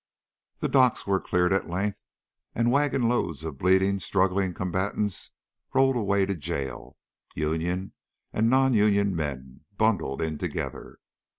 The dock was cleared at length, and wagon loads of bleeding, struggling combatants rolled away to jail, union and non union men bundled in together.